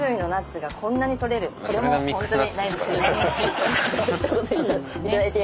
これもホントにないですよね。